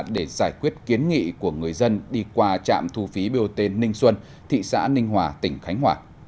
để giải quyết kiến nghị của người dân đi qua trạm thu phí bot ninh xuân thị xã ninh hòa tỉnh khánh hòa